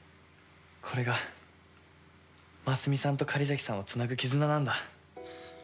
これが真澄さんと狩崎さんをつなぐ絆なんだ。